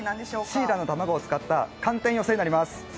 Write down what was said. シイラの卵を使った寒天寄せになります。